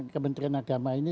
kementerian agama ini